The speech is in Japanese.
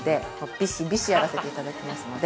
ビシビシやらせていただきますので。